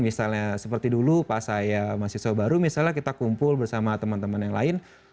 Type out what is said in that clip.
misalnya seperti dulu pas saya mahasiswa baru misalnya kita kumpul bersama teman teman yang lain